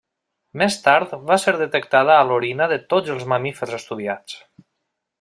Més tard va ser detectada a l'orina de tots els mamífers estudiats.